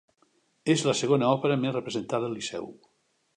És la segona òpera més representada al Liceu.